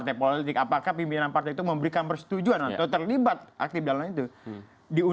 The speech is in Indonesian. tapi kami katakan tidak ada kaitan